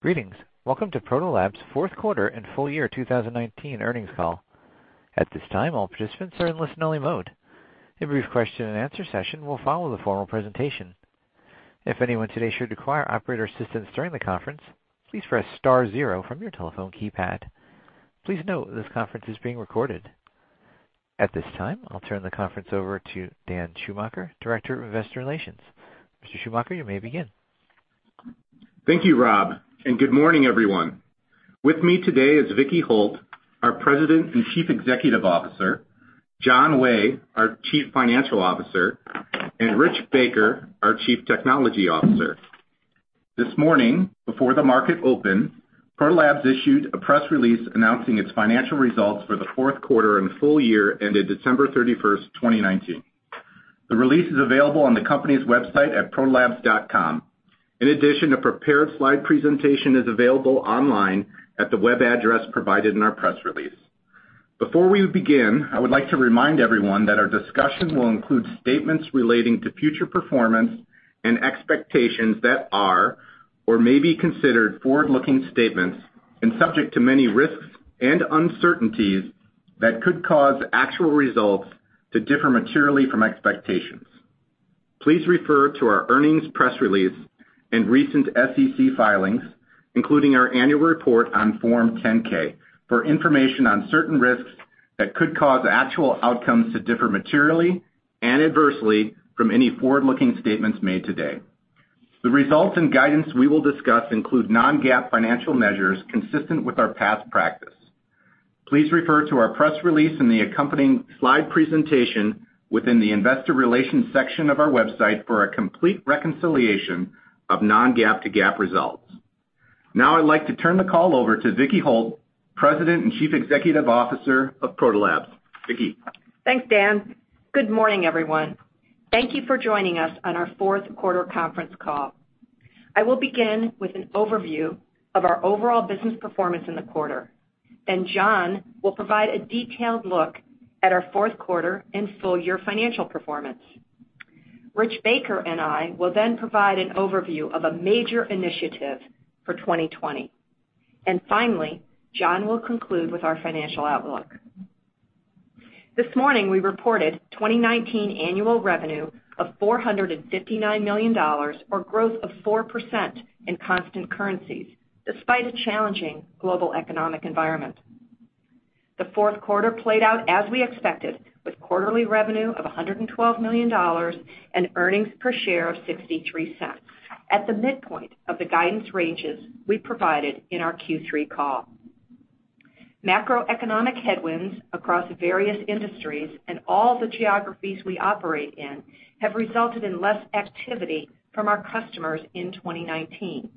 Greetings. Welcome to Proto Labs' fourth quarter and full year 2019 earnings call. At this time, all participants are in listen-only mode. A brief question and answer session will follow the formal presentation. If anyone today should require operator assistance during the conference, please press star zero from your telephone keypad. Please note this conference is being recorded. At this time, I'll turn the conference over to Dan Schumacher, Director of Investor Relations. Mr. Schumacher, you may begin. Thank you, Rob, and good morning, everyone. With me today is Vicki Holt, our President and Chief Executive Officer, John Way, our Chief Financial Officer, and Rich Baker, our Chief Technology Officer. This morning, before the market opened, Proto Labs issued a press release announcing its financial results for the fourth quarter and full year ended December 31st, 2019. The release is available on the company's website at protolabs.com. In addition, a prepared slide presentation is available online at the web address provided in our press release. Before we begin, I would like to remind everyone that our discussion will include statements relating to future performance and expectations that are or may be considered forward-looking statements and subject to many risks and uncertainties that could cause actual results to differ materially from expectations. Please refer to our earnings press release and recent SEC filings, including our annual report on Form 10-K, for information on certain risks that could cause actual outcomes to differ materially and adversely from any forward-looking statements made today. The results and guidance we will discuss include non-GAAP financial measures consistent with our past practice. Please refer to our press release and the accompanying slide presentation within the investor relations section of our website for a complete reconciliation of non-GAAP to GAAP results. Now I'd like to turn the call over to Vicki Holt, President and Chief Executive Officer of Proto Labs. Vicki? Thanks, Dan. Good morning, everyone. Thank you for joining us on our fourth quarter conference call. I will begin with an overview of our overall business performance in the quarter, then John will provide a detailed look at our fourth quarter and full year financial performance. Rich Baker and I will then provide an overview of a major initiative for 2020. Finally, John will conclude with our financial outlook. This morning, we reported 2019 annual revenue of $459 million, or growth of 4% in constant currencies, despite a challenging global economic environment. The fourth quarter played out as we expected, with quarterly revenue of $112 million and earnings per share of $0.63, at the midpoint of the guidance ranges we provided in our Q3 call. Macroeconomic headwinds across various industries and all the geographies we operate in have resulted in less activity from our customers in 2019.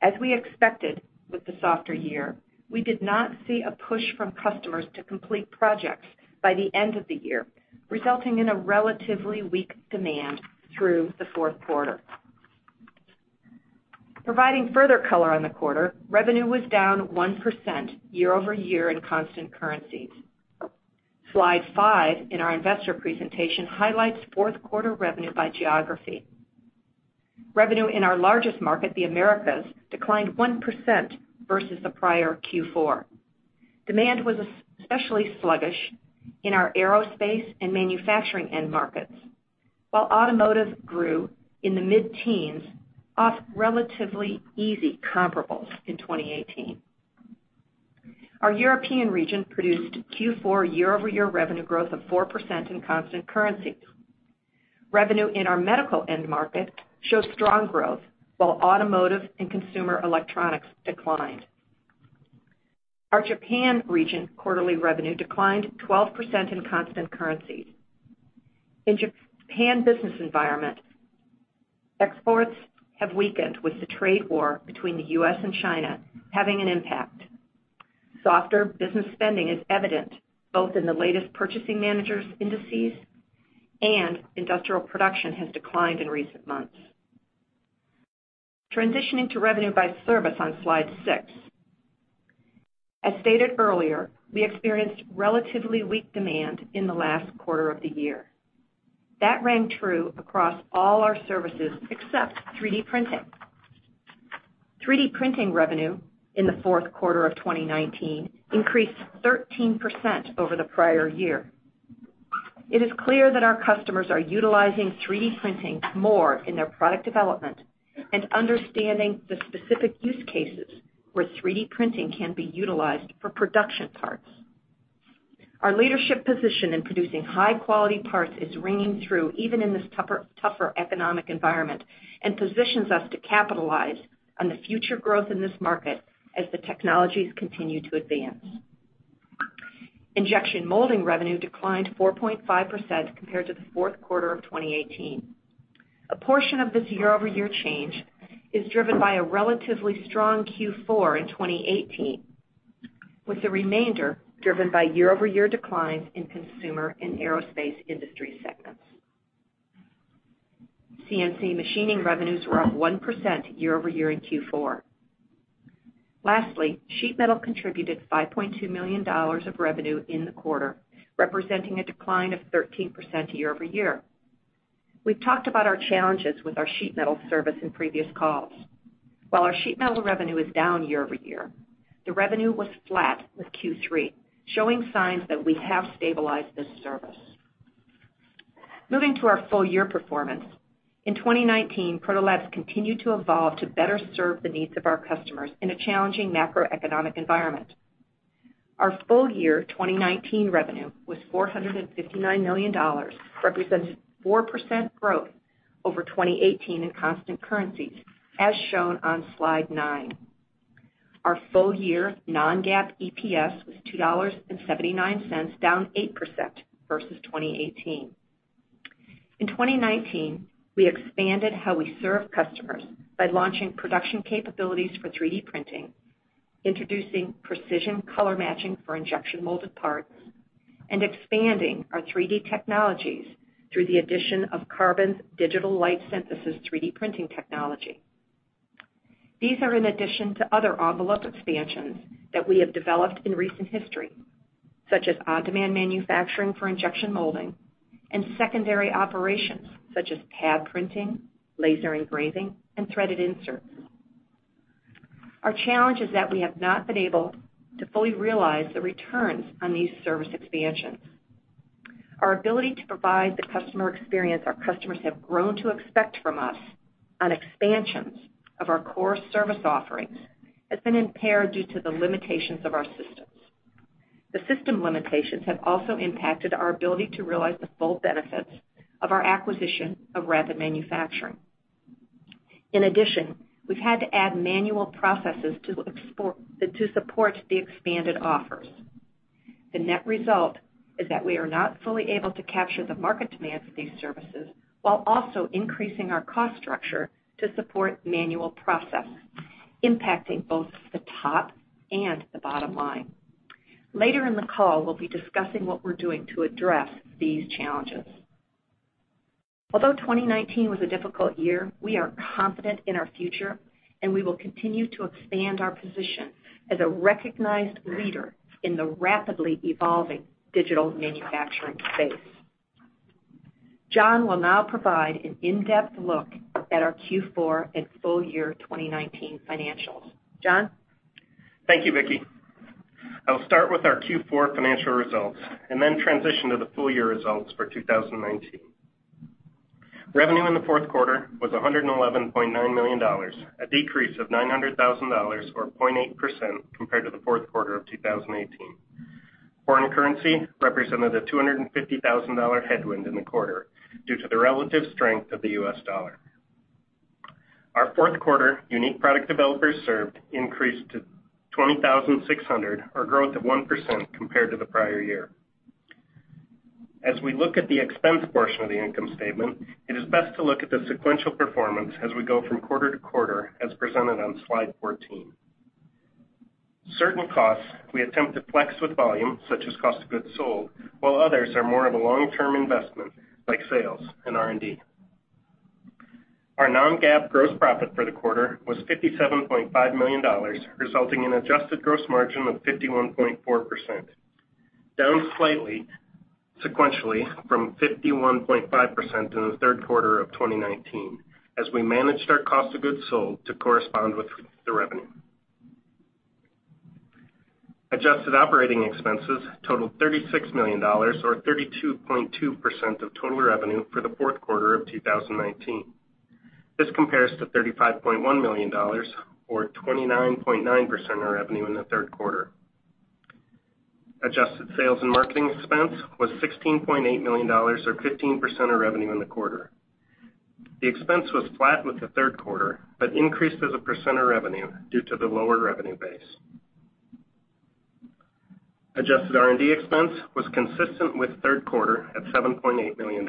As we expected with the softer year, we did not see a push from customers to complete projects by the end of the year, resulting in a relatively weak demand through the fourth quarter. Providing further color on the quarter, revenue was down 1% year-over-year in constant currencies. Slide five in our investor presentation highlights fourth quarter revenue by geography. Revenue in our largest market, the Americas, declined 1% versus the prior Q4. Demand was especially sluggish in our aerospace and manufacturing end markets, while automotive grew in the mid-teens off relatively easy comparables in 2018. Our European region produced Q4 year-over-year revenue growth of 4% in constant currency. Revenue in our medical end market showed strong growth, while automotive and consumer electronics declined. Our Japan region quarterly revenue declined 12% in constant currency. In Japan's business environment, exports have weakened with the trade war between the U.S. and China having an impact. Softer business spending is evident both in the latest Purchasing Managers' Indices and industrial production has declined in recent months. Transitioning to revenue by service on slide six. As stated earlier, we experienced relatively weak demand in the last quarter of the year. That rang true across all our services except 3D printing. 3D printing revenue in the fourth quarter of 2019 increased 13% over the prior year. It is clear that our customers are utilizing 3D printing more in their product development and understanding the specific use cases where 3D printing can be utilized for production parts. Our leadership position in producing high-quality parts is ringing through even in this tougher economic environment and positions us to capitalize on the future growth in this market as the technologies continue to advance. Injection molding revenue declined 4.5% compared to the fourth quarter of 2018. A portion of this year-over-year change is driven by a relatively strong Q4 in 2018, with the remainder driven by year-over-year declines in consumer and aerospace industry segments. CNC machining revenues were up 1% year-over-year in Q4. Lastly, Sheet metal contributed $5.2 million of revenue in the quarter, representing a decline of 13% year-over-year. We've talked about our challenges with our Sheet metal service in previous calls. While our Sheet metal revenue is down year-over-year, the revenue was flat with Q3, showing signs that we have stabilized this service. Moving to our full-year performance. In 2019, Proto Labs continued to evolve to better serve the needs of our customers in a challenging macroeconomic environment. Our full-year 2019 revenue was $459 million, representing 4% growth over 2018 in constant currencies, as shown on Slide nine. Our full year non-GAAP EPS was $2.79, down 8% versus 2018. In 2019, we expanded how we serve customers by launching production capabilities for 3D printing, introducing precision color matching for injection molded parts, and expanding our 3D technologies through the addition of Carbon's Digital Light Synthesis 3D printing technology. These are in addition to other envelope expansions that we have developed in recent history, such as on-demand manufacturing for injection molding and secondary operations such as pad printing, laser engraving, and threaded inserts. Our challenge is that we have not been able to fully realize the returns on these service expansions. Our ability to provide the customer experience our customers have grown to expect from us on expansions of our core service offerings has been impaired due to the limitations of our systems. The system limitations have also impacted our ability to realize the full benefits of our acquisition of Rapid Manufacturing. In addition, we've had to add manual processes to support the expanded offers. The net result is that we are not fully able to capture the market demand for these services, while also increasing our cost structure to support manual processes, impacting both the top and the bottom line. Later in the call, we'll be discussing what we're doing to address these challenges. Although 2019 was a difficult year, we are confident in our future, and we will continue to expand our position as a recognized leader in the rapidly evolving digital manufacturing space. John will now provide an in-depth look at our Q4 and full year 2019 financials. John? Thank you, Vicki. I'll start with our Q4 financial results and then transition to the full-year results for 2019. Revenue in the fourth quarter was $111.9 million, a decrease of $900,000, or 0.8%, compared to the fourth quarter of 2018. Foreign currency represented a $250,000 headwind in the quarter due to the relative strength of the U.S. dollar. Our fourth quarter unique product developers served increased to 20,600, or growth of 1% compared to the prior year. As we look at the expense portion of the income statement, it is best to look at the sequential performance as we go from quarter to quarter, as presented on Slide 14. Certain costs we attempt to flex with volume, such as cost of goods sold, while others are more of a long-term investment, like sales and R&D. Our non-GAAP gross profit for the quarter was $57.5 million, resulting in adjusted gross margin of 51.4%, down slightly sequentially from 51.5% in the third quarter of 2019 as we managed our cost of goods sold to correspond with the revenue. Adjusted operating expenses totaled $36 million or 32.2% of total revenue for the fourth quarter of 2019. This compares to $35.1 million or 29.9% of revenue in the third quarter. Adjusted sales and marketing expense was $16.8 million or 15% of revenue in the quarter. The expense was flat with the third quarter, but increased as a percent of revenue due to the lower revenue base. Adjusted R&D expense was consistent with third quarter at $7.8 million.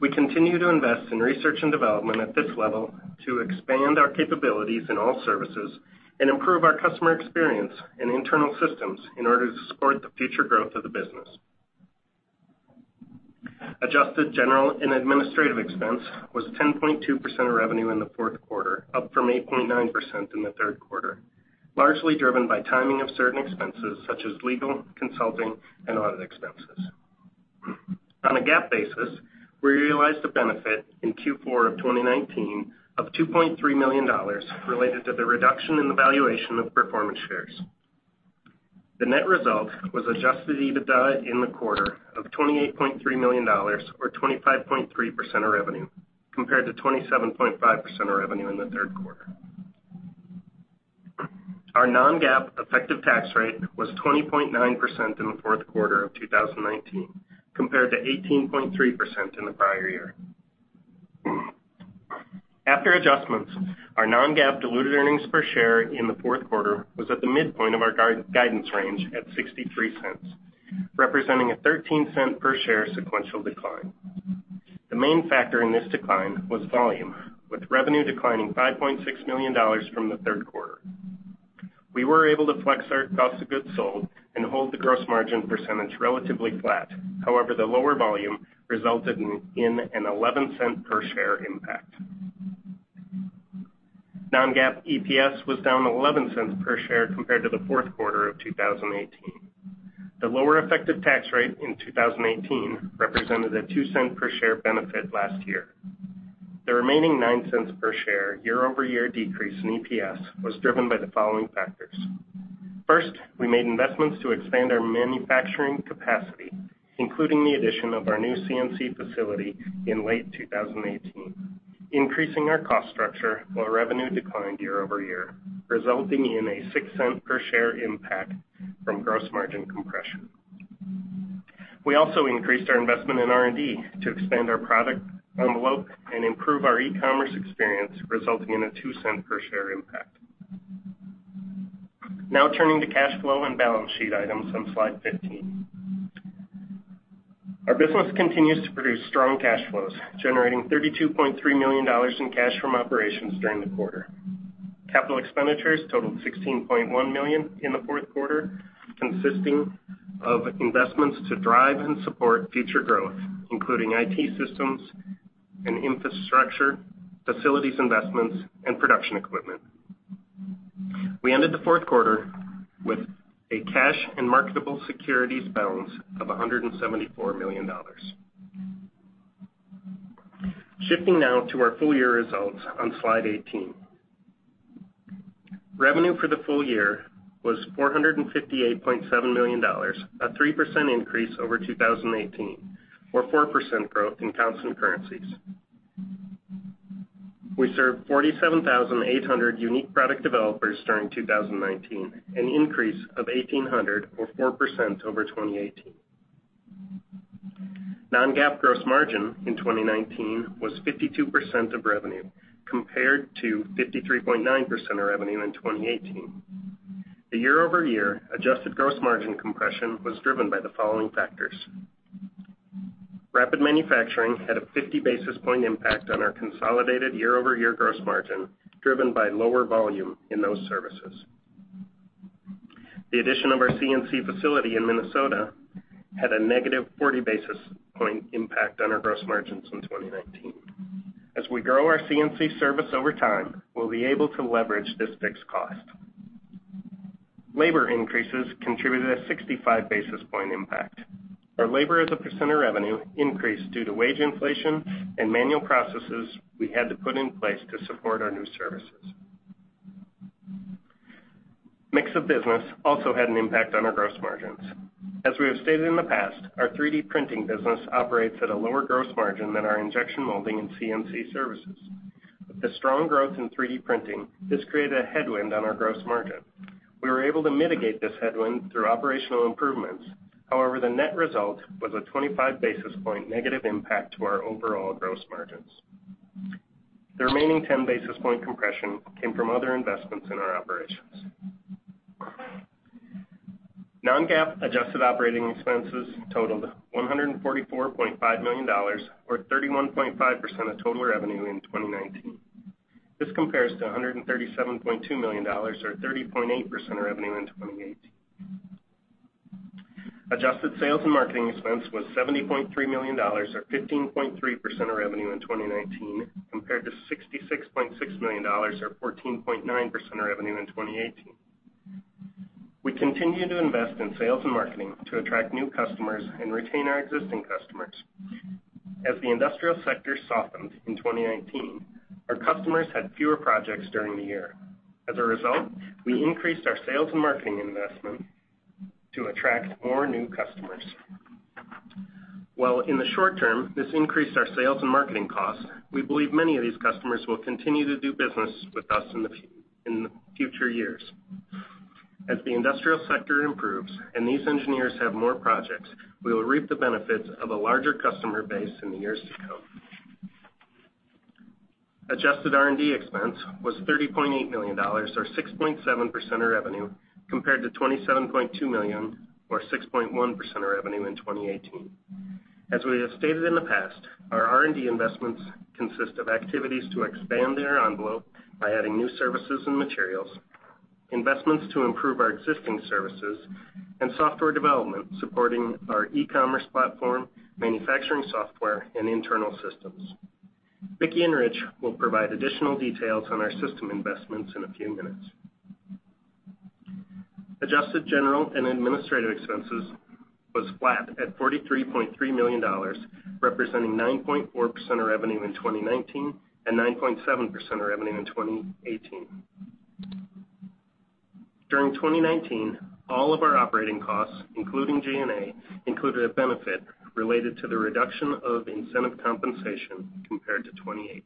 We continue to invest in research and development at this level to expand our capabilities in all services and improve our customer experience and internal systems in order to support the future growth of the business. Adjusted general and administrative expense was 10.2% of revenue in the fourth quarter, up from 8.9% in the third quarter, largely driven by timing of certain expenses such as legal, consulting, and audit expenses. On a GAAP basis, we realized a benefit in Q4 of 2019 of $2.3 million related to the reduction in the valuation of performance shares. The net result was adjusted EBITDA in the quarter of $28.3 million or 25.3% of revenue, compared to 27.5% of revenue in the third quarter. Our non-GAAP effective tax rate was 20.9% in the fourth quarter of 2019, compared to 18.3% in the prior year. After adjustments, our non-GAAP diluted earnings per share in the fourth quarter was at the midpoint of our guidance range at $0.63, representing a $0.13 per share sequential decline. The main factor in this decline was volume, with revenue declining $5.6 million from the third quarter. We were able to flex our cost of goods sold and hold the gross margin percentage relatively flat. However, the lower volume resulted in an $0.11 per share impact. Non-GAAP EPS was down $0.11 per share compared to the fourth quarter of 2018. The lower effective tax rate in 2018 represented a $0.02 per share benefit last year. The remaining $0.09 per share year-over-year decrease in EPS was driven by the following factors. First, we made investments to expand our manufacturing capacity, including the addition of our new CNC facility in late 2018, increasing our cost structure while revenue declined year-over-year, resulting in a $0.06 per share impact from gross margin compression. We also increased our investment in R&D to expand our product envelope and improve our e-commerce experience, resulting in a $0.02 per share impact. Turning to cash flow and balance sheet items on Slide 15. Our business continues to produce strong cash flows, generating $32.3 million in cash from operations during the quarter. Capital expenditures totaled $16.1 million in the fourth quarter, consisting of investments to drive and support future growth, including IT systems and infrastructure, facilities investments, and production equipment. We ended the fourth quarter with a cash and marketable securities balance of $174 million. Shifting now to our full year results on Slide 18. Revenue for the full year was $458.7 million, a 3% increase over 2018, or 4% growth in constant currencies. We served 47,800 unique product developers during 2019, an increase of 1,800 or 4% over 2018. Non-GAAP gross margin in 2019 was 52% of revenue, compared to 53.9% of revenue in 2018. The year-over-year adjusted gross margin compression was driven by the following factors. Rapid Manufacturing had a 50 basis point impact on our consolidated year-over-year gross margin, driven by lower volume in those services. The addition of our CNC facility in Minnesota had a negative 40 basis point impact on our gross margins in 2019. As we grow our CNC service over time, we'll be able to leverage this fixed cost. Labor increases contributed a 65 basis point impact. Our labor as a percent of revenue increased due to wage inflation and manual processes we had to put in place to support our new services. Mix of business also had an impact on our gross margins. As we have stated in the past, our 3D printing business operates at a lower gross margin than our injection molding and CNC services. With the strong growth in 3D printing, this created a headwind on our gross margin. We were able to mitigate this headwind through operational improvements. However, the net result was a 25 basis point negative impact to our overall gross margins. The remaining 10 basis point compression came from other investments in our operations. Non-GAAP adjusted operating expenses totaled $144.5 million, or 31.5% of total revenue in 2019. This compares to $137.2 million or 30.8% of revenue in 2018. Adjusted sales and marketing expense was $70.3 million, or 15.3% of revenue in 2019, compared to $66.6 million or 14.9% of revenue in 2018. We continue to invest in sales and marketing to attract new customers and retain our existing customers. As the industrial sector softened in 2019, our customers had fewer projects during the year. As a result, we increased our sales and marketing investment to attract more new customers. While in the short term, this increased our sales and marketing costs, we believe many of these customers will continue to do business with us in the future years. As the industrial sector improves and these engineers have more projects, we will reap the benefits of a larger customer base in the years to come. Adjusted R&D expense was $30.8 million or 6.7% of revenue, compared to $27.2 million or 6.1% of revenue in 2018. As we have stated in the past, our R&D investments consist of activities to expand their envelope by adding new services and materials, investments to improve our existing services, and software development supporting our e-commerce platform, manufacturing software, and internal systems. Vicki and Rich will provide additional details on our system investments in a few minutes. Adjusted general and administrative expenses was flat at $43.3 million, representing 9.4% of revenue in 2019 and 9.7% of revenue in 2018. During 2019, all of our operating costs, including G&A, included a benefit related to the reduction of incentive compensation compared to 2018.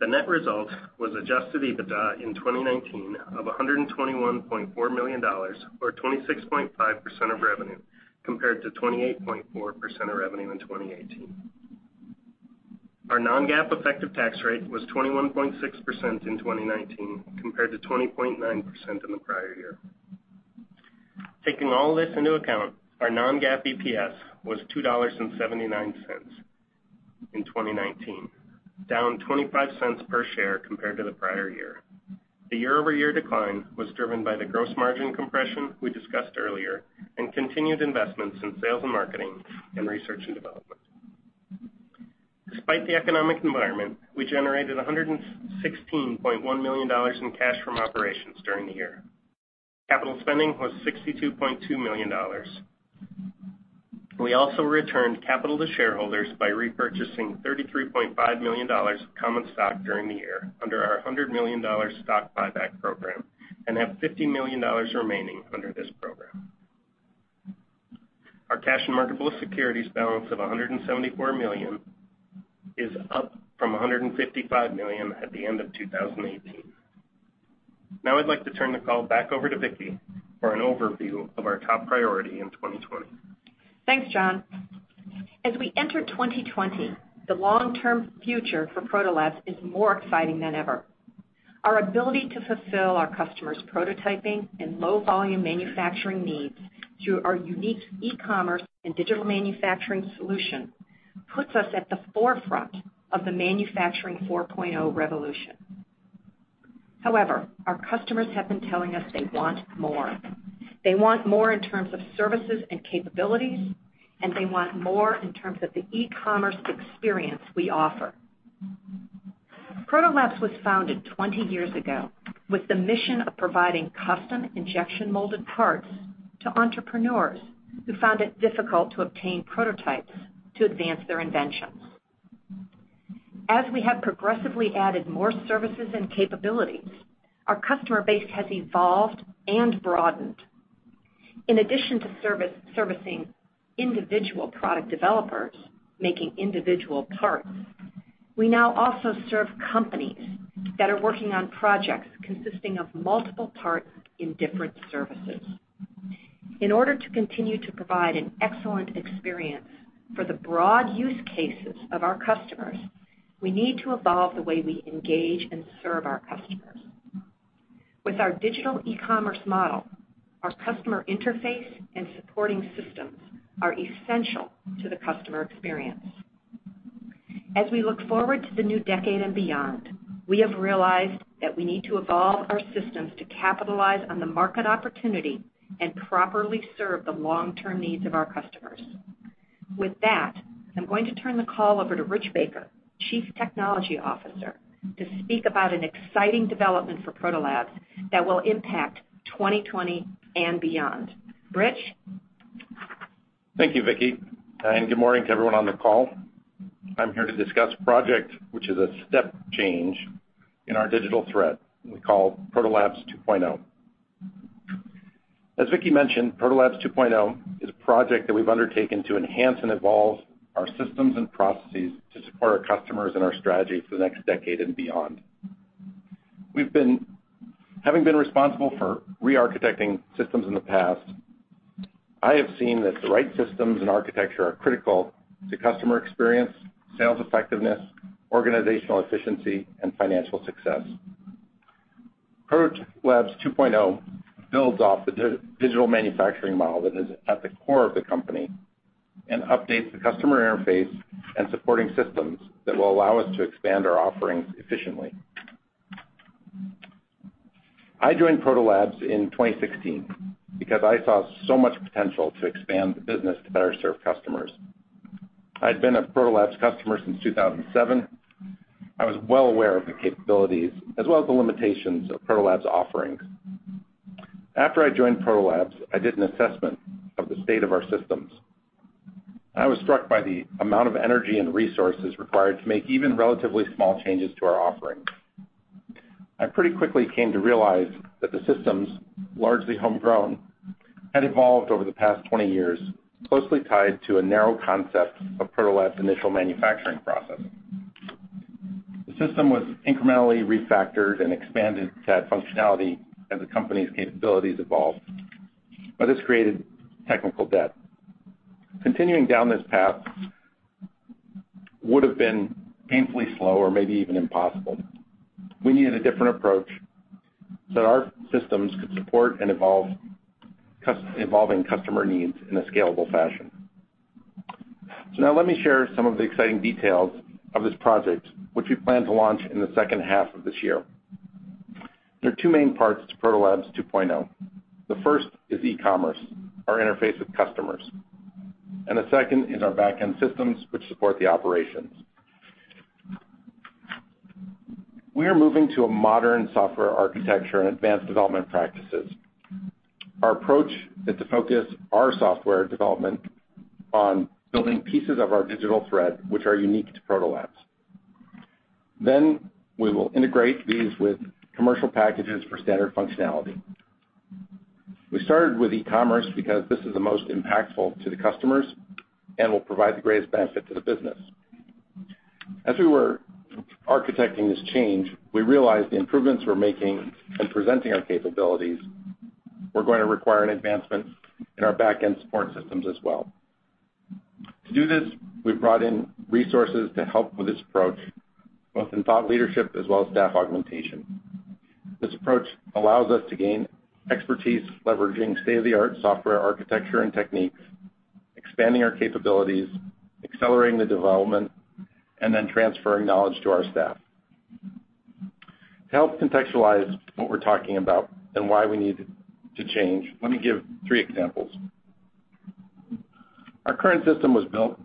The net result was adjusted EBITDA in 2019 of $121.4 million or 26.5% of revenue, compared to 28.4% of revenue in 2018. Our non-GAAP effective tax rate was 21.6% in 2019 compared to 20.9% in the prior year. Taking all this into account, our non-GAAP EPS was $2.79 in 2019, down $0.25 per share compared to the prior year. The year-over-year decline was driven by the gross margin compression we discussed earlier, and continued investments in sales and marketing and research and development. Despite the economic environment, we generated $116.1 million in cash from operations during the year. Capital spending was $62.2 million. We also returned capital to shareholders by repurchasing $33.5 million of common stock during the year under our $100 million stock buyback program, and have $50 million remaining under this program. Our cash and marketable securities balance of $174 million is up from $155 million at the end of 2018. Now I'd like to turn the call back over to Vicki for an overview of our top priority in 2020. Thanks, John. As we enter 2020, the long-term future for Proto Labs is more exciting than ever. Our ability to fulfill our customers' prototyping and low-volume manufacturing needs through our unique e-commerce and digital manufacturing solution puts us at the forefront of the Manufacturing 4.0 revolution. However, our customers have been telling us they want more. They want more in terms of services and capabilities, and they want more in terms of the e-commerce experience we offer. Proto Labs was founded 20 years ago with the mission of providing custom injection-molded parts to entrepreneurs who found it difficult to obtain prototypes to advance their inventions. As we have progressively added more services and capabilities, our customer base has evolved and broadened. In addition to servicing individual product developers making individual parts, we now also serve companies that are working on projects consisting of multiple parts in different services. In order to continue to provide an excellent experience for the broad use cases of our customers, we need to evolve the way we engage and serve our customers. With our digital e-commerce model, our customer interface and supporting systems are essential to the customer experience. As we look forward to the new decade and beyond, we have realized that we need to evolve our systems to capitalize on the market opportunity and properly serve the long-term needs of our customers. With that, I'm going to turn the call over to Rich Baker, Chief Technology Officer, to speak about an exciting development for Proto Labs that will impact 2020 and beyond. Rich? Thank you, Vicki, and good morning to everyone on the call. I'm here to discuss a project which is a step change in our digital thread we call Protolabs 2.0. As Vicki mentioned, Protolabs 2.0 is a project that we've undertaken to enhance and evolve our systems and processes to support our customers and our strategy for the next decade and beyond. Having been responsible for re-architecting systems in the past, I have seen that the right systems and architecture are critical to customer experience, sales effectiveness, organizational efficiency, and financial success. Protolabs 2.0 builds off the digital manufacturing model that is at the core of the Proto Labs and updates the customer interface and supporting systems that will allow us to expand our offerings efficiently. I joined Proto Labs in 2016 because I saw so much potential to expand the business to better serve customers. I'd been a Proto Labs customer since 2007. I was well aware of the capabilities as well as the limitations of Proto Labs' offerings. After I joined Proto Labs, I did an assessment of the state of our systems. I was struck by the amount of energy and resources required to make even relatively small changes to our offerings. I pretty quickly came to realize that the systems, largely homegrown, had evolved over the past 20 years closely tied to a narrow concept of Proto Labs' initial manufacturing process. The system was incrementally refactored and expanded to add functionality as the company's capabilities evolved, but this created technical debt. Continuing down this path would've been painfully slow or maybe even impossible. We needed a different approach so that our systems could support an evolving customer need in a scalable fashion. Now let me share some of the exciting details of this project, which we plan to launch in the second half of this year. There are two main parts to Proto Labs 2.0. The first is e-commerce, our interface with customers, and the second is our back-end systems which support the operations. We are moving to a modern software architecture and advanced development practices. Our approach is to focus our software development on building pieces of our digital thread which are unique to Proto Labs. We will integrate these with commercial packages for standard functionality. We started with e-commerce because this is the most impactful to the customers and will provide the greatest benefit to the business. As we were architecting this change, we realized the improvements we're making in presenting our capabilities were going to require an advancement in our back-end support systems as well. To do this, we've brought in resources to help with this approach, both in thought leadership as well as staff augmentation. This approach allows us to gain expertise leveraging state-of-the-art software architecture and techniques, expanding our capabilities, accelerating the development, and then transferring knowledge to our staff. To help contextualize what we're talking about and why we need to change, let me give three examples. Our current system was built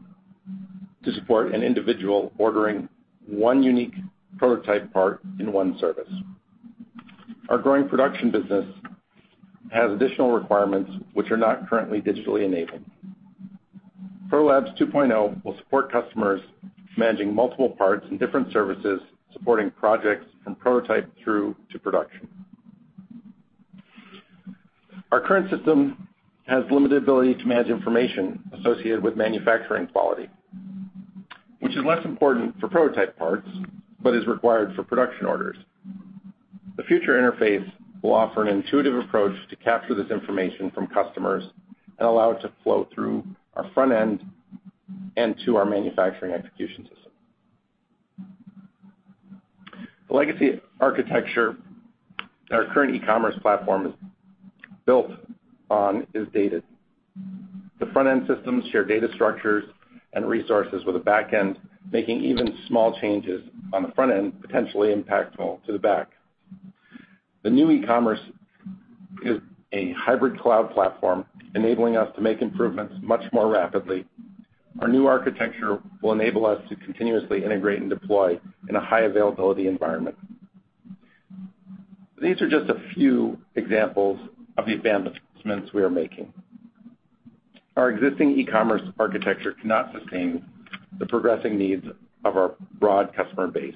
to support an individual ordering one unique prototype part in one service. Our growing production business has additional requirements which are not currently digitally enabled. Proto Labs 2.0 will support customers managing multiple parts and different services, supporting projects from prototype through to production. Our current system has limited ability to manage information associated with manufacturing quality, which is less important for prototype parts, but is required for production orders. The future interface will offer an intuitive approach to capture this information from customers and allow it to flow through our front end and to our manufacturing execution system. The legacy architecture our current e-commerce platform is built on is dated. The front end systems share data structures and resources with the back end, making even small changes on the front end potentially impactful to the back. The new e-commerce is a hybrid cloud platform, enabling us to make improvements much more rapidly. Our new architecture will enable us to continuously integrate and deploy in a high availability environment. These are just a few examples of the advancements we are making. Our existing e-commerce architecture cannot sustain the progressing needs of our broad customer base.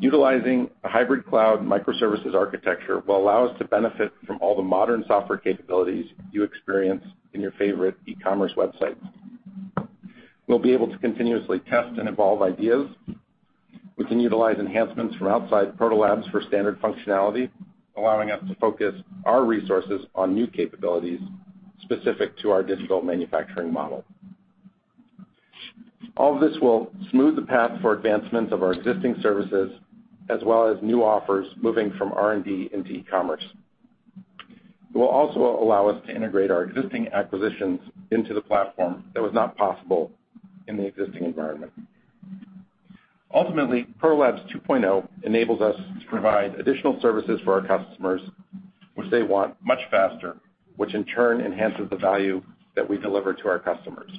Utilizing a hybrid cloud microservices architecture will allow us to benefit from all the modern software capabilities you experience in your favorite e-commerce websites. We'll be able to continuously test and evolve ideas. We can utilize enhancements from outside Proto Labs for standard functionality, allowing us to focus our resources on new capabilities specific to our digital manufacturing model. All this will smooth the path for advancements of our existing services, as well as new offers moving from R&D into e-commerce. It will also allow us to integrate our existing acquisitions into the platform that was not possible in the existing environment. Ultimately, Proto Labs 2.0 enables us to provide additional services for our customers, which they want much faster, which in turn enhances the value that we deliver to our customers.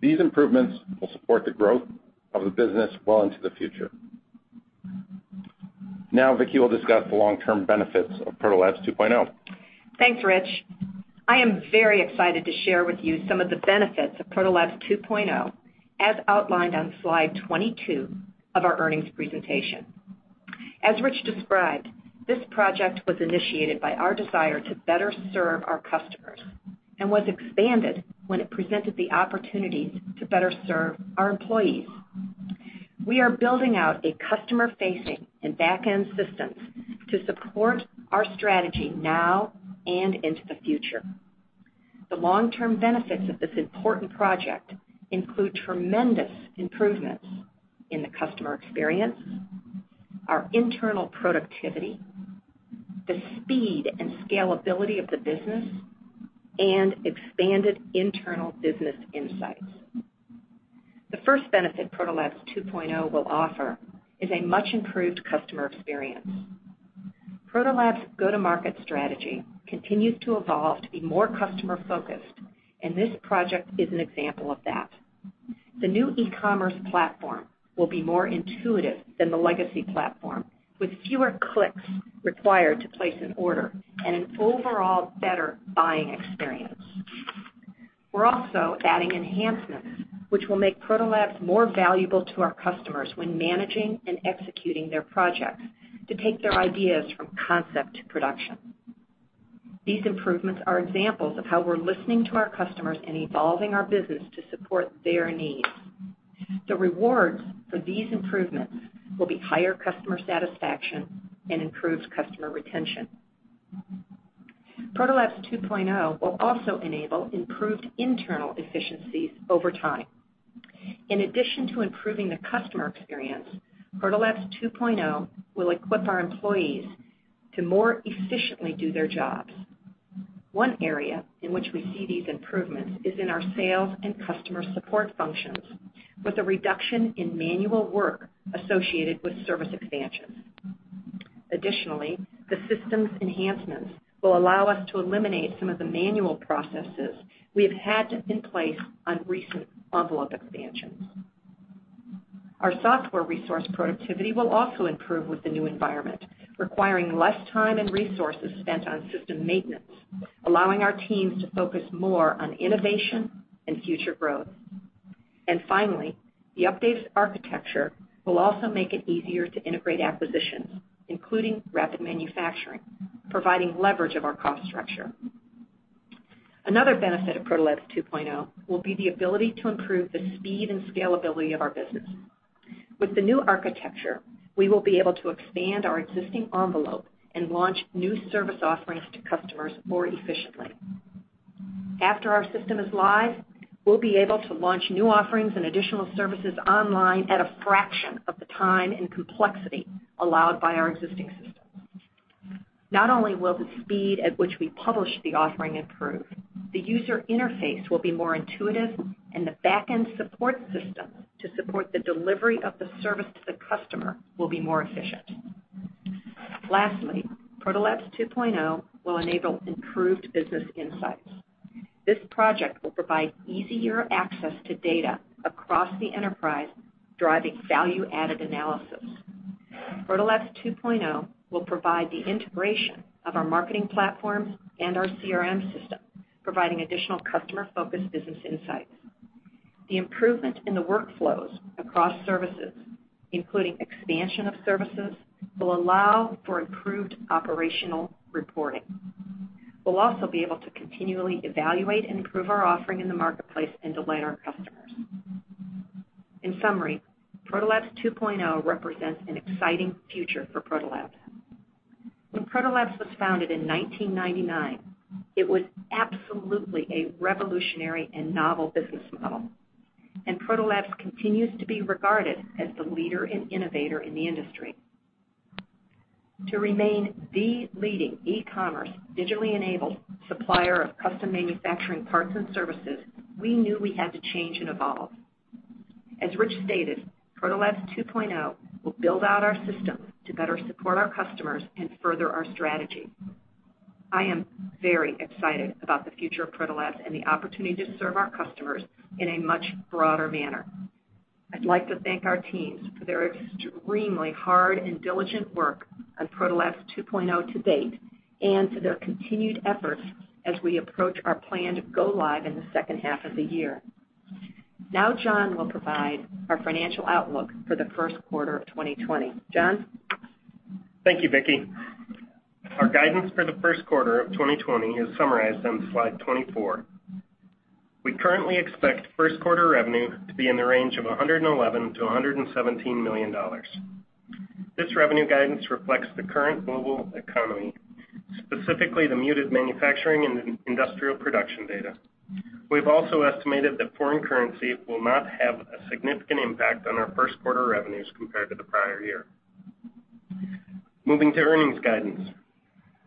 These improvements will support the growth of the business well into the future. Now Vicki will discuss the long-term benefits of Proto Labs 2.0. Thanks, Rich. I am very excited to share with you some of the benefits of Proto Labs 2.0 as outlined on slide 22 of our earnings presentation. As Rich described, this project was initiated by our desire to better serve our customers and was expanded when it presented the opportunities to better serve our employees. We are building out a customer-facing and back end systems to support our strategy now and into the future. The long-term benefits of this important project include tremendous improvements in the customer experience, our internal productivity, the speed and scalability of the business, and expanded internal business insights. The first benefit Proto Labs 2.0 will offer is a much improved customer experience. Proto Labs' go-to-market strategy continues to evolve to be more customer-focused, and this project is an example of that. The new e-commerce platform will be more intuitive than the legacy platform, with fewer clicks required to place an order and an overall better buying experience. We're also adding enhancements which will make Proto Labs more valuable to our customers when managing and executing their projects to take their ideas from concept to production. These improvements are examples of how we're listening to our customers and evolving our business to support their needs. The rewards for these improvements will be higher customer satisfaction and improved customer retention. Proto Labs 2.0 will also enable improved internal efficiencies over time. In addition to improving the customer experience, Proto Labs 2.0 will equip our employees to more efficiently do their jobs. One area in which we see these improvements is in our sales and customer support functions, with a reduction in manual work associated with service expansions. Additionally, the systems enhancements will allow us to eliminate some of the manual processes we have had in place on recent envelope expansions. Our software resource productivity will also improve with the new environment, requiring less time and resources spent on system maintenance, allowing our teams to focus more on innovation and future growth. Finally, the updated architecture will also make it easier to integrate acquisitions, including Rapid Manufacturing, providing leverage of our cost structure. Another benefit of Proto Labs 2.0 will be the ability to improve the speed and scalability of our business. With the new architecture, we will be able to expand our existing envelope and launch new service offerings to customers more efficiently. After our system is live, we'll be able to launch new offerings and additional services online at a fraction of the time and complexity allowed by our existing system. Not only will the speed at which we publish the offering improve, the user interface will be more intuitive, and the back-end support system to support the delivery of the service to the customer will be more efficient. Lastly, Proto Labs 2.0 will enable improved business insights. This project will provide easier access to data across the enterprise, driving value-added analysis. Proto Labs 2.0 will provide the integration of our marketing platforms and our CRM system, providing additional customer-focused business insights. The improvement in the workflows across services, including expansion of services, will allow for improved operational reporting. We'll also be able to continually evaluate and improve our offering in the marketplace and delight our customers. In summary, Proto Labs 2.0 represents an exciting future for Proto Labs. When Proto Labs was founded in 1999, it was absolutely a revolutionary and novel business model. Proto Labs continues to be regarded as the leader and innovator in the industry. To remain the leading e-commerce digitally enabled supplier of custom manufacturing parts and services, we knew we had to change and evolve. As Rich stated, Proto Labs 2.0 will build out our system to better support our customers and further our strategy. I am very excited about the future of Proto Labs and the opportunity to serve our customers in a much broader manner. I'd like to thank our teams for their extremely hard and diligent work on Proto Labs 2.0 to date, for their continued efforts as we approach our plan to go live in the second half of the year. John will provide our financial outlook for the first quarter of 2020. John? Thank you, Vicki. Our guidance for the first quarter of 2020 is summarized on slide 24. We currently expect first quarter revenue to be in the range of $111 million to $117 million. This revenue guidance reflects the current global economy, specifically the muted manufacturing and industrial production data. We've also estimated that foreign currency will not have a significant impact on our first quarter revenues compared to the prior year. Moving to earnings guidance.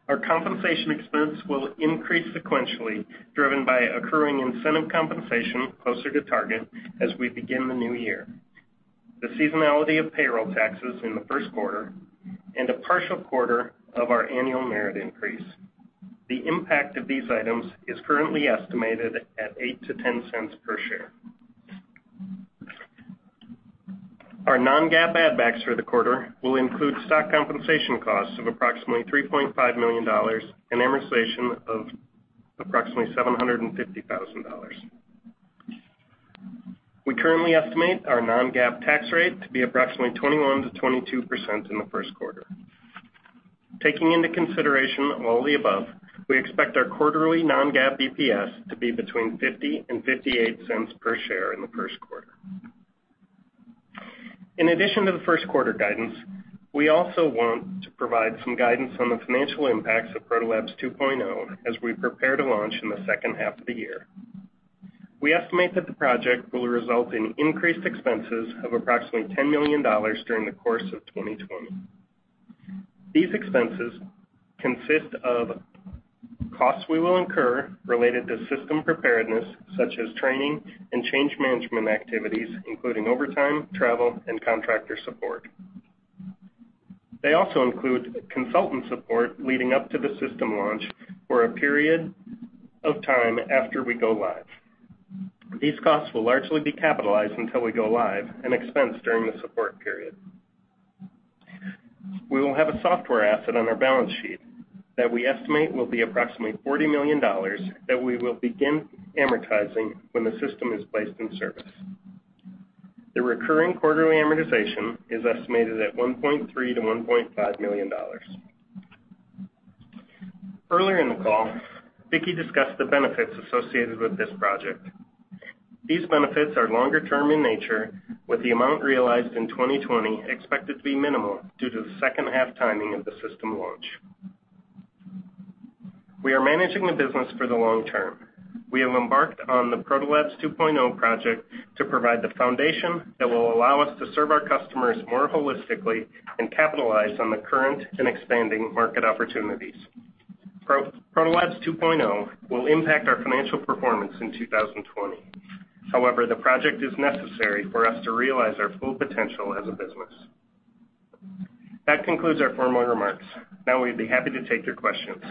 Our compensation expense will increase sequentially, driven by accruing incentive compensation closer to target as we begin the new year, the seasonality of payroll taxes in the first quarter, and a partial quarter of our annual merit increase. The impact of these items is currently estimated at $0.08 to $0.10 per share. Our non-GAAP add backs for the quarter will include stock compensation costs of approximately $3.5 million and amortization of approximately $750,000. We currently estimate our non-GAAP tax rate to be approximately 21%-22% in the first quarter. Taking into consideration all the above, we expect our quarterly non-GAAP EPS to be between $0.50 and $0.58 per share in the first quarter. In addition to the first quarter guidance, we also want to provide some guidance on the financial impacts of Proto Labs 2.0 as we prepare to launch in the second half of the year. We estimate that the project will result in increased expenses of approximately $10 million during the course of 2020. These expenses consist of costs we will incur related to system preparedness, such as training and change management activities, including overtime, travel, and contractor support. They also include consultant support leading up to the system launch for a period of time after we go live. These costs will largely be capitalized until we go live, and expensed during the support period. We will have a software asset on our balance sheet that we estimate will be approximately $40 million that we will begin amortizing when the system is placed in service. The recurring quarterly amortization is estimated at $1.3 million-$1.5 million. Earlier in the call, Vicki discussed the benefits associated with this project. These benefits are longer term in nature, with the amount realized in 2020 expected to be minimal due to the second half timing of the system launch. We are managing the business for the long term. We have embarked on the Proto Labs 2.0 project to provide the foundation that will allow us to serve our customers more holistically and capitalize on the current and expanding market opportunities. Proto Labs 2.0 will impact our financial performance in 2020. However, the project is necessary for us to realize our full potential as a business. That concludes our formal remarks. Now we'd be happy to take your questions.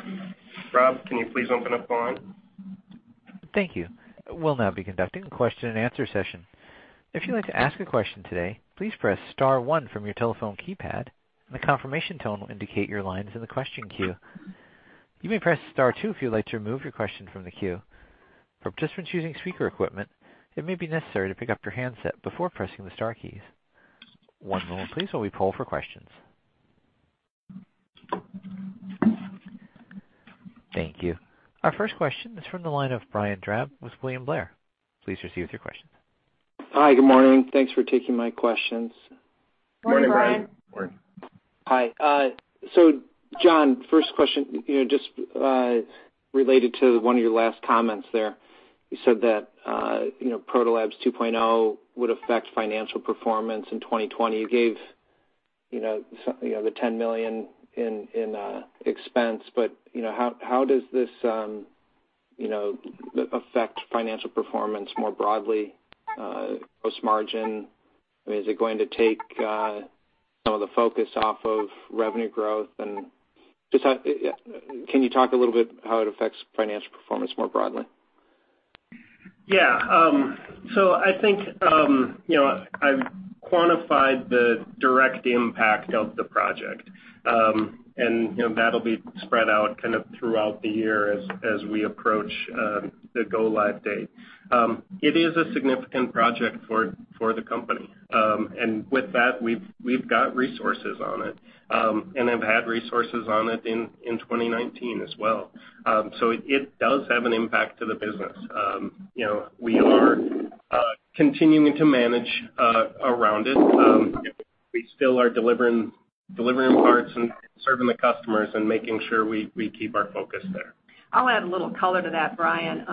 Rob, can you please open up the line? Thank you. We'll now be conducting a question and answer session. If you'd like to ask a question today, please press star 1 from your telephone keypad, and a confirmation tone will indicate your line's in the question queue. You may press star 2 if you'd like to remove your question from the queue. For participants using speaker equipment, it may be necessary to pick up your handset before pressing the star keys. One moment please while we poll for questions. Thank you. Our first question is from the line of Brian Drab with William Blair. Please proceed with your questions. Hi. Good morning. Thanks for taking my questions. Good morning, Brian. Good morning. Hi. John, first question, just related to one of your last comments there. You said that Proto Labs 2.0 would affect financial performance in 2020. You gave the $10 million in expense. How does this affect financial performance more broadly, gross margin? Is it going to take some of the focus off of revenue growth? Can you talk a little bit how it affects financial performance more broadly? Yeah. I think, I've quantified the direct impact of the project. That'll be spread out kind of throughout the year as we approach the go-live date. It is a significant project for the company. With that, we've got resources on it, and have had resources on it in 2019 as well. It does have an impact to the business. We are continuing to manage around it. We still are delivering parts and serving the customers and making sure we keep our focus there. I'll add a little color to that, Brian.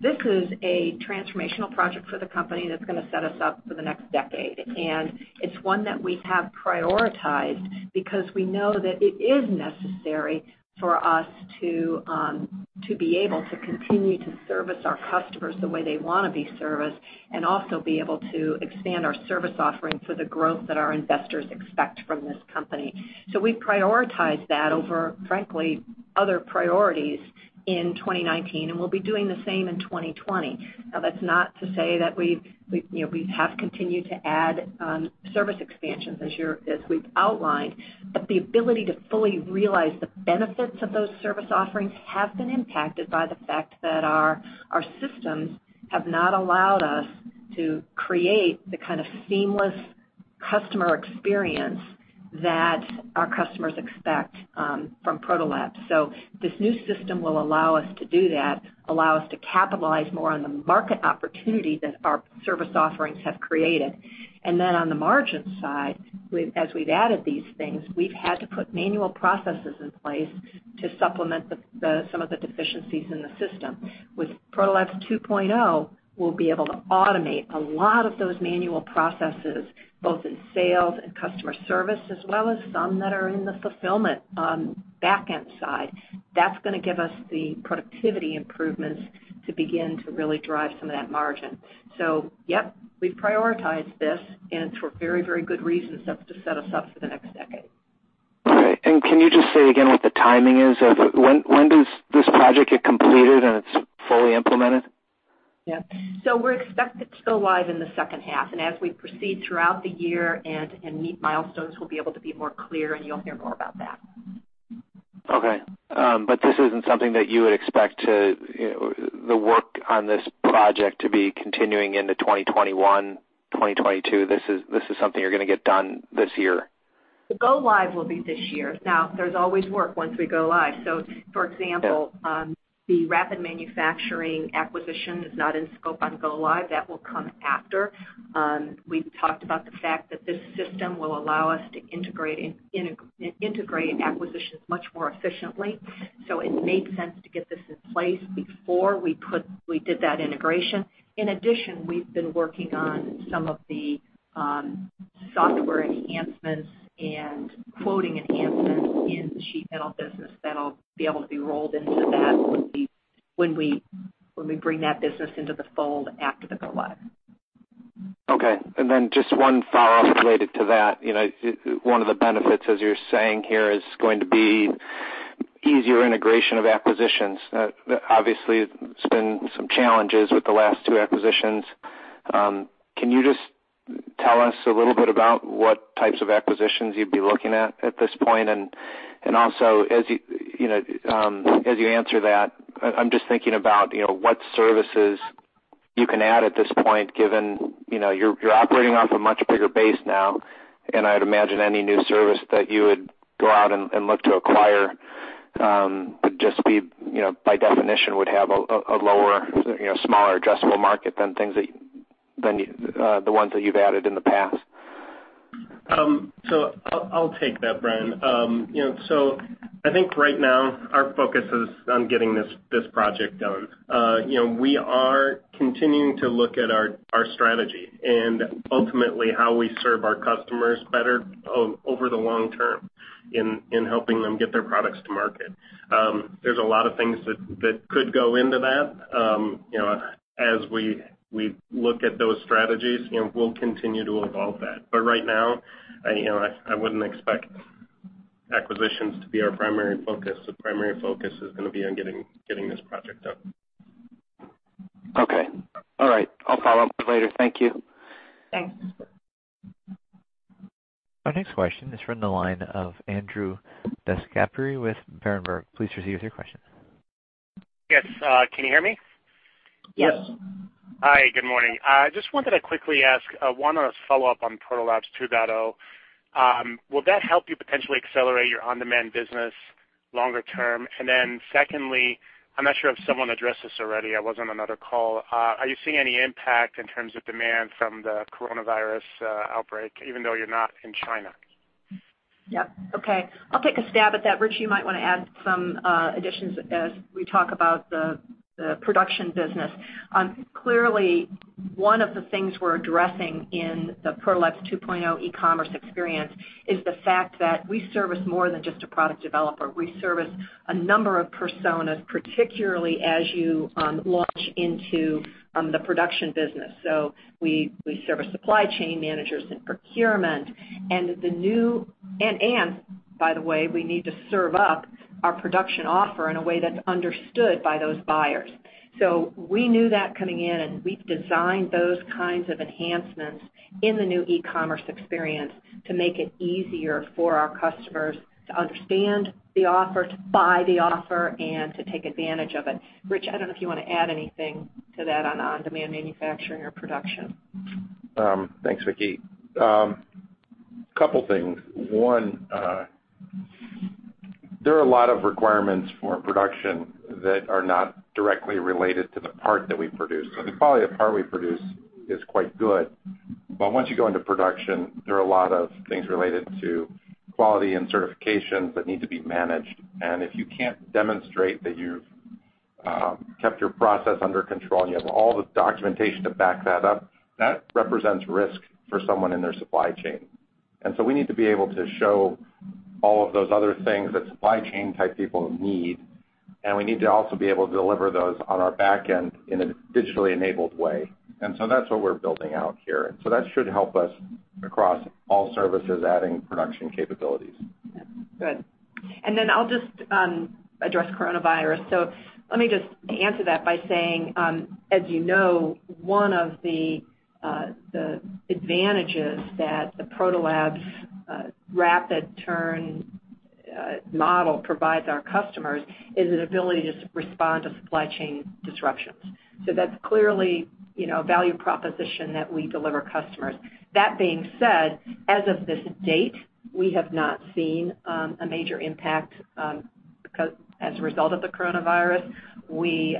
This is a transformational project for the company that's going to set us up for the next decade. It's one that we have prioritized because we know that it is necessary for us to be able to continue to service our customers the way they want to be serviced, and also be able to expand our service offering for the growth that our investors expect from this company. We've prioritized that over, frankly, other priorities in 2019, and we'll be doing the same in 2020. Now that's not to say that we have continued to add service expansions as we've outlined, but the ability to fully realize the benefits of those service offerings have been impacted by the fact that our systems have not allowed us to create the kind of seamless customer experience that our customers expect from Proto Labs. This new system will allow us to do that, allow us to capitalize more on the market opportunity that our service offerings have created. On the margin side, as we've added these things, we've had to put manual processes in place to supplement some of the deficiencies in the system. With Proto Labs 2.0, we'll be able to automate a lot of those manual processes, both in sales and customer service, as well as some that are in the fulfillment on back end side. That's going to give us the productivity improvements to begin to really drive some of that margin. Yep, we've prioritized this, and for very good reasons to set us up for the next decade. All right. Can you just say again what the timing is of when does this project get completed, and it's fully implemented? Yeah. We're expected to go live in the second half, and as we proceed throughout the year and meet milestones, we'll be able to be more clear, and you'll hear more about that. Okay. This isn't something that you would expect the work on this project to be continuing into 2021, 2022. This is something you're going to get done this year. The go-live will be this year. There's always work once we go live. Yeah The Rapid Manufacturing acquisition is not in scope on go-live. That will come after. We've talked about the fact that this system will allow us to integrate acquisitions much more efficiently. It made sense to get this in place before we did that integration. In addition, we've been working on some of the software enhancements and quoting enhancements in the sheet metal business that will be able to be rolled into that when we bring that business into the fold after the go-live. Okay. Just one follow-up related to that. One of the benefits as you're saying here is going to be easier integration of acquisitions. Obviously there's been some challenges with the last two acquisitions. Can you just tell us a little bit about what types of acquisitions you'd be looking at at this point? Also as you answer that, I'm just thinking about what services you can add at this point, given you're operating off a much bigger base now, and I'd imagine any new service that you would go out and look to acquire by definition would have a lower, smaller addressable market than the ones that you've added in the past. I'll take that, Brian. I think right now our focus is on getting this project done. We are continuing to look at our strategy and ultimately how we serve our customers better over the long term in helping them get their products to market. There's a lot of things that could go into that. As we look at those strategies, we'll continue to evolve that. Right now, I wouldn't expect acquisitions to be our primary focus. The primary focus is going to be on getting this project done. Okay. All right. I'll follow up later. Thank you. Thanks. Our next question is from the line of Andrew DeGasperi with Berenberg. Please proceed with your question. Yes. Can you hear me? Yes. Hi, good morning. Just wanted to quickly ask one follow-up on Proto Labs 2.0. Will that help you potentially accelerate your on-demand business longer term? Secondly, I'm not sure if someone addressed this already, I was on another call. Are you seeing any impact in terms of demand from the coronavirus outbreak, even though you're not in China? Yeah. Okay. I'll take a stab at that. Rich, you might want to add some additions as we talk about the production business. One of the things we're addressing in the Proto Labs 2.0 e-commerce experience is the fact that we service more than just a product developer. We service a number of personas, particularly as you launch into the production business. We service supply chain managers and procurement. By the way, we need to serve up our production offer in a way that's understood by those buyers. We knew that coming in, and we've designed those kinds of enhancements in the new e-commerce experience to make it easier for our customers to understand the offer, to buy the offer, and to take advantage of it. Rich, I don't know if you want to add anything to that on on-demand manufacturing or production. Thanks, Vicki. Couple things. One, there are a lot of requirements for production that are not directly related to the part that we produce. The quality of the part we produce is quite good. Once you go into production, there are a lot of things related to quality and certifications that need to be managed. If you can't demonstrate that you've kept your process under control and you have all the documentation to back that up, that represents risk for someone in their supply chain. We need to be able to show all of those other things that supply chain type people need, and we need to also be able to deliver those on our back end in a digitally enabled way. That's what we're building out here. That should help us across all services, adding production capabilities. Good. I'll just address coronavirus. Let me just answer that by saying, as you know, one of the advantages that the Proto Labs rapid turn model provides our customers is an ability to respond to supply chain disruptions. That's clearly a value proposition that we deliver customers. That being said, as of this date, we have not seen a major impact as a result of the coronavirus. We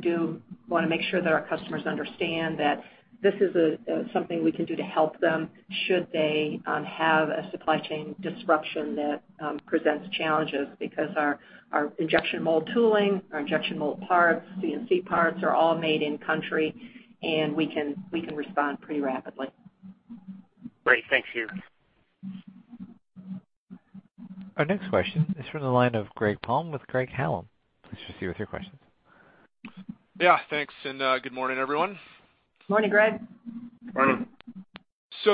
do want to make sure that our customers understand that this is something we can do to help them should they have a supply chain disruption that presents challenges, because our injection mold tooling, our injection mold parts, CNC parts, are all made in country, and we can respond pretty rapidly. Great. Thank you. Our next question is from the line of Greg Palm with Craig-Hallum. Please proceed with your questions. Yeah, thanks. Good morning, everyone. Morning, Greg. Morning.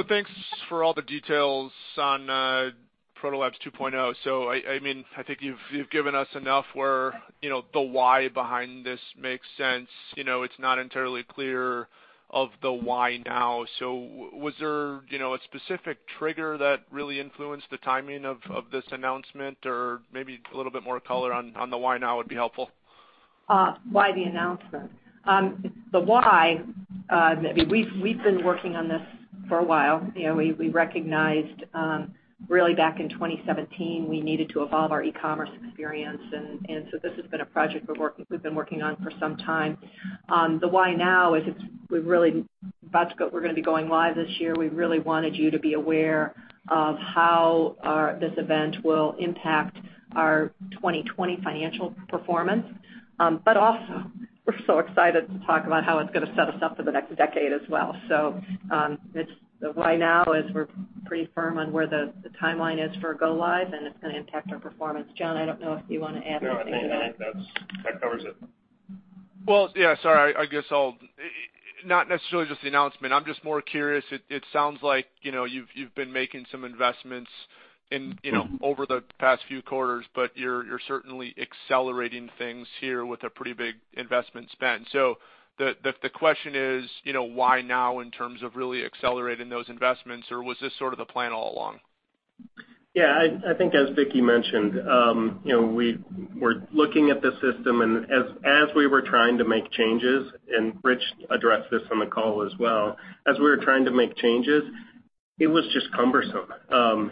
Thanks for all the details on Proto Labs 2.0. I think you've given us enough where the why behind this makes sense. It's not entirely clear of the why now. Was there a specific trigger that really influenced the timing of this announcement? Or maybe a little bit more color on the why now would be helpful. Why the announcement? The why, we've been working on this for a while. We recognized, really back in 2017, we needed to evolve our e-commerce experience. This has been a project we've been working on for some time. The why now is we're going to be going live this year. We really wanted you to be aware of how this event will impact our 2020 financial performance. Also, we're so excited to talk about how it's going to set us up for the next decade as well. The why now is we're pretty firm on where the timeline is for go live, and it's going to impact our performance. John, I don't know if you want to add anything to that. No, I think that covers it. Well, yeah, sorry. Not necessarily just the announcement. I'm just more curious. It sounds like you've been making some investments over the past few quarters, but you're certainly accelerating things here with a pretty big investment spend. The question is why now, in terms of really accelerating those investments, or was this sort of the plan all along? Yeah, I think as Vicki mentioned, we're looking at the system, and as we were trying to make changes, and Rich addressed this on the call as well, as we were trying to make changes, it was just cumbersome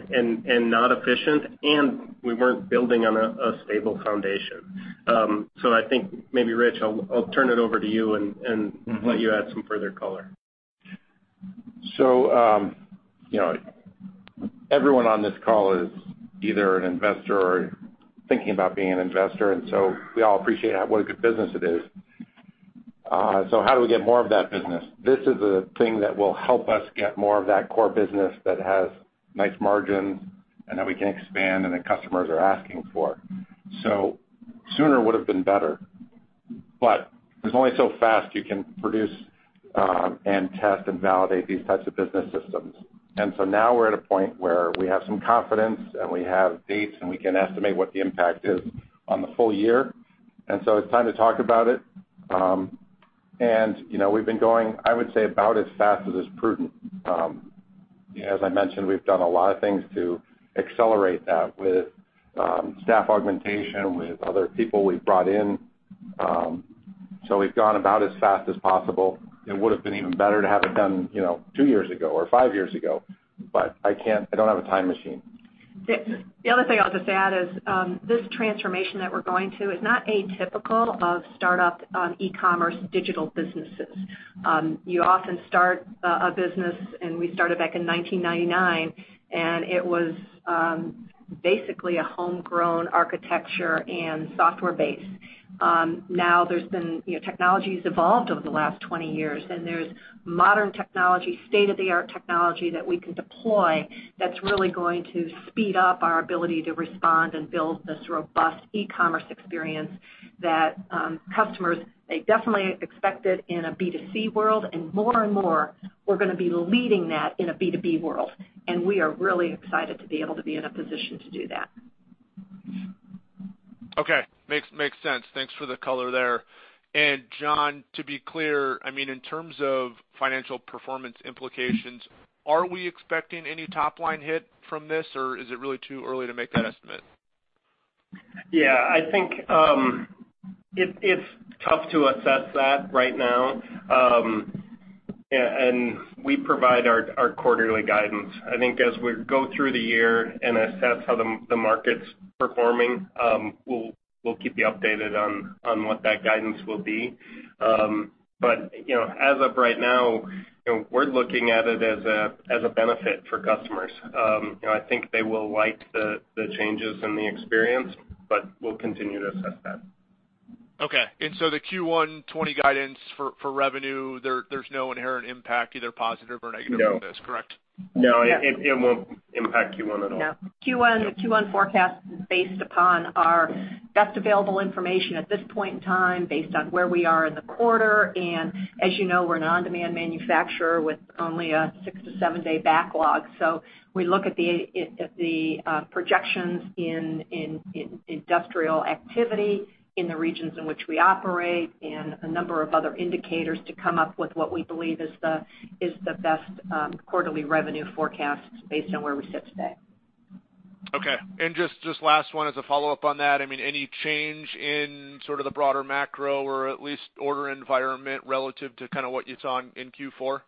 and not efficient, and we weren't building on a stable foundation. I think maybe Rich, I'll turn it over to you and let you add some further color. Everyone on this call is either an investor or thinking about being an investor, and so we all appreciate what a good business it is. How do we get more of that business? This is a thing that will help us get more of that core business that has nice margins and that we can expand and the customers are asking for. Sooner would've been better, but there's only so fast you can produce and test and validate these types of business systems. Now we're at a point where we have some confidence and we have dates, and we can estimate what the impact is on the full year. It's time to talk about it. We've been going, I would say, about as fast as is prudent. As I mentioned, we've done a lot of things to accelerate that with staff augmentation, with other people we've brought in. We've gone about as fast as possible. It would've been even better to have it done two years ago or five years ago, but I don't have a time machine. The other thing I'll just add is this transformation that we're going to is not atypical of startup e-commerce digital businesses. You often start a business, and we started back in 1999, and it was basically a homegrown architecture and software base. Now technology's evolved over the last 20 years, and there's modern technology, state-of-the-art technology that we can deploy that's really going to speed up our ability to respond and build this robust e-commerce experience that customers, they definitely expect it in a B2C world, and more and more, we're going to be leading that in a B2B world. We are really excited to be able to be in a position to do that. Okay. Makes sense. Thanks for the color there. John, to be clear, in terms of financial performance implications, are we expecting any top-line hit from this, or is it really too early to make that estimate? Yeah, I think it's tough to assess that right now. We provide our quarterly guidance. I think as we go through the year and assess how the market's performing, we'll keep you updated on what that guidance will be. As of right now, we're looking at it as a benefit for customers. I think they will like the changes and the experience, but we'll continue to assess that. Okay. The Q1 2020 guidance for revenue, there's no inherent impact, either positive or negative from this, correct? No. Yeah. It won't impact Q1 at all. No. Q1 forecast is based upon our best available information at this point in time, based on where we are in the quarter. As you know, we're an on-demand manufacturer with only a six to seven-day backlog. We look at the projections in industrial activity in the regions in which we operate and a number of other indicators to come up with what we believe is the best quarterly revenue forecast based on where we sit today. Okay. Just last one as a follow-up on that. Any change in sort of the broader macro or at least order environment relative to what you saw in Q4?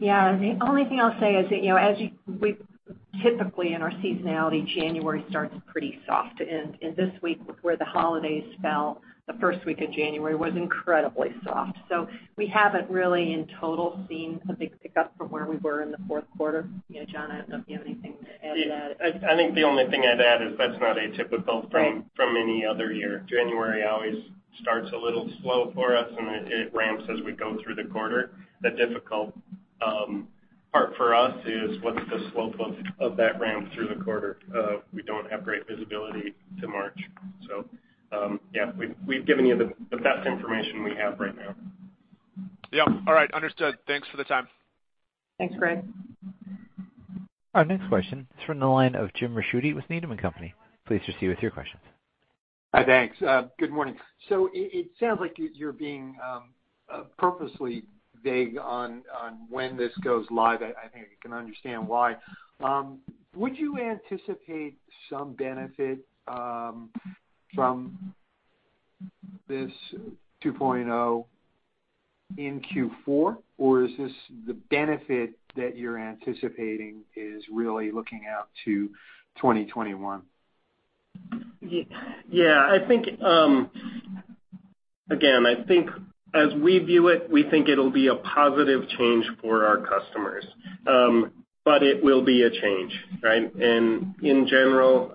Yeah. The only thing I'll say is that, typically in our seasonality, January starts pretty soft, and this week where the holidays fell, the first week of January was incredibly soft. We haven't really in total seen a big pickup from where we were in the fourth quarter. John, I don't know if you have anything to add to that. I think the only thing I'd add is that's not atypical from any other year. January always starts a little slow for us, and it ramps as we go through the quarter. The difficult part for us is what's the slope of that ramp through the quarter? We don't have great visibility to March. Yeah. We've given you the best information we have right now. Yeah. All right. Understood. Thanks for the time. Thanks, Greg. Our next question is from the line of James Ricchiuti with Needham & Company. Pleased to see you with your questions. Hi, thanks. Good morning. It sounds like you're being purposely vague on when this goes live. I think I can understand why. Would you anticipate some benefit from this 2.0 in Q4? Is this the benefit that you're anticipating is really looking out to 2021? Yeah. Again, I think as we view it, we think it'll be a positive change for our customers. It will be a change, right? In general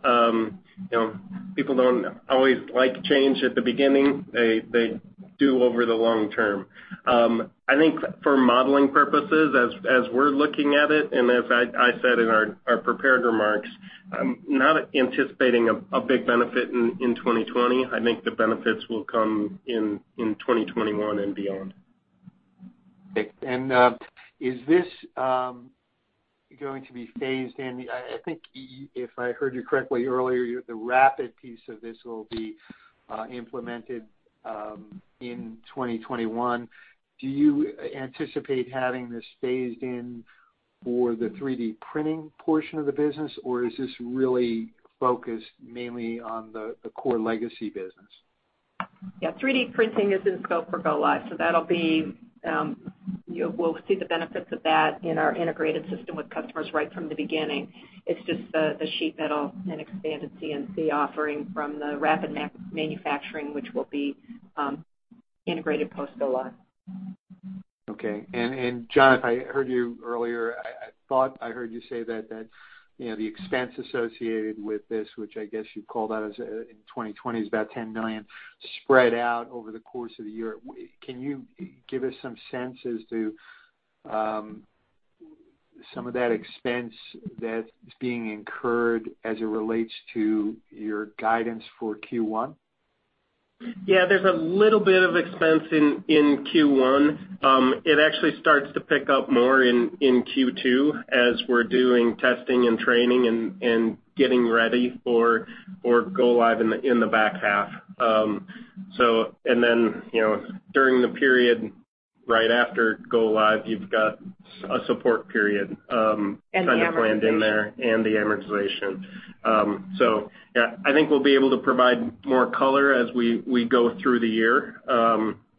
people don't always like change at the beginning. They do over the long term. I think for modeling purposes as we're looking at it, and as I said in our prepared remarks, I'm not anticipating a big benefit in 2020. I think the benefits will come in 2021 and beyond. Okay. Is this going to be phased in? I think if I heard you correctly earlier, the rapid piece of this will be implemented in 2021. Do you anticipate having this phased in for the 3D printing portion of the business, or is this really focused mainly on the core legacy business? Yeah. 3D printing is in scope for go-live, so we'll see the benefits of that in our integrated system with customers right from the beginning. It's just the sheet metal and expanded CNC offering from the Rapid Manufacturing, which will be integrated post go-live. Okay. John, if I heard you earlier, I thought I heard you say that the expense associated with this, which I guess you called out as in 2020 is about $10 million spread out over the course of the year. Can you give us some sense as to some of that expense that's being incurred as it relates to your guidance for Q1? Yeah, there's a little bit of expense in Q1. It actually starts to pick up more in Q2 as we're doing testing and training and getting ready for go-live in the back half. During the period right after go-live, you've got a support period kind of planned in there. The amortization. The amortization. Yeah, I think we'll be able to provide more color as we go through the year,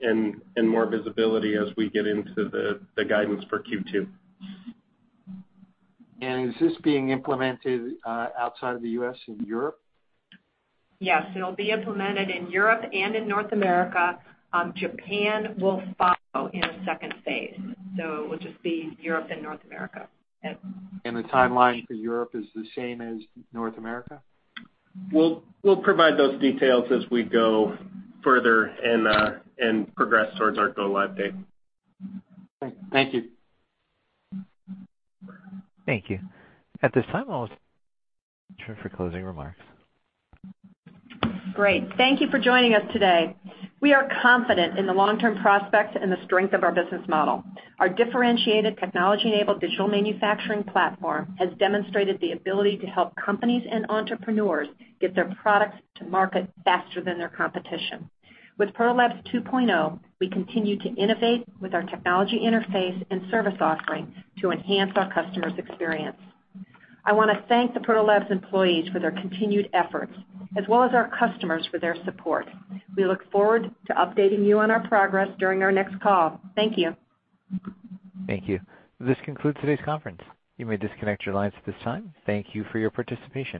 and more visibility as we get into the guidance for Q2. Is this being implemented outside of the U.S., in Europe? Yes, it'll be implemented in Europe and in North America. Japan will follow in a second phase, so it will just be Europe and North America. Yeah. The timeline for Europe is the same as North America? We'll provide those details as we go further and progress towards our go-live date. Great. Thank you. Thank you. At this time, I'll turn it over for closing remarks. Great. Thank you for joining us today. We are confident in the long-term prospects and the strength of our business model. Our differentiated technology-enabled digital manufacturing platform has demonstrated the ability to help companies and entrepreneurs get their products to market faster than their competition. With Proto Labs 2.0, we continue to innovate with our technology interface and service offerings to enhance our customers' experience. I want to thank the Proto Labs employees for their continued efforts, as well as our customers for their support. We look forward to updating you on our progress during our next call. Thank you. Thank you. This concludes today's conference. You may disconnect your lines at this time. Thank you for your participation.